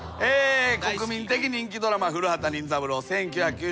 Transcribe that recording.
国民的人気ドラマ『古畑任三郎』１９９６年。